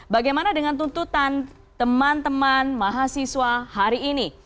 bagaimana dengan tuntutan teman teman mahasiswa hari ini